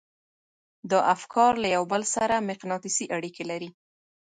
دا افکار له يو بل سره مقناطيسي اړيکې لري.